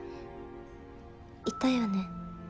いたよね？